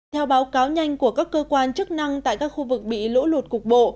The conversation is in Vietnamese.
theo báo cáo nhanh của các cơ quan chức năng tại các khu vực bị lũ lụt cục bộ